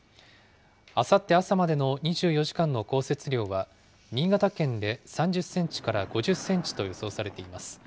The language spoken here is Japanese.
あさって朝までの２４時間の降雪量は、新潟県で３０センチから５０センチと予想されています。